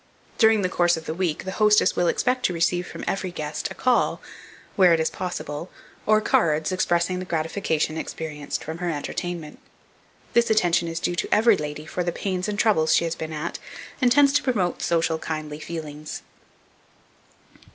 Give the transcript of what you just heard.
During the course of the week, the hostess will expect to receive from every guest a call, where it is possible, or cards expressing the gratification experienced from her entertainment. This attention is due to every lady for the pains and trouble she has been at, and tends to promote social, kindly feelings.